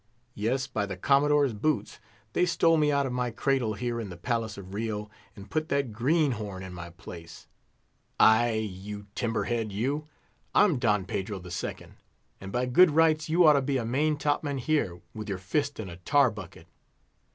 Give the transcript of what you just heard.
Yes, by the Commodore's boots! they stole me out of my cradle here in the palace of Rio, and put that green horn in my place. Ay, you timber head, you, I'm Don Pedro II., and by good rights you ought to be a main top man here, with your fist in a tar bucket!